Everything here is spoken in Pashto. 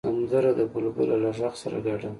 سندره د بلبله له غږ سره ګډه ده